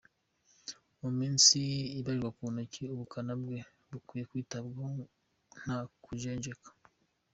Mu minsi ibarirwa ku ntoki ubukana bwe bukwiye kwitabwaho nta kujenjeka.